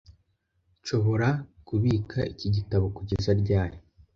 Nshobora kubika iki gitabo kugeza ryari?